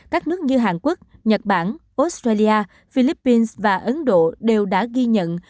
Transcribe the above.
các nước như hàn quốc nhật bản australia philippines và ấn độ đều đã ghi nhận